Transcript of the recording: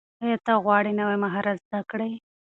ایا ته غواړې نوي مهارت زده کړې؟